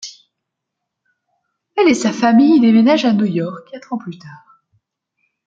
Elle et sa famille déménagent à New York, quatre ans plus tard.